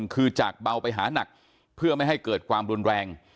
คือจากเบาไปหานักเพื่อไม่ให้เกิดความรุนแรง